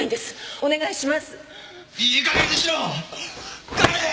お願いします！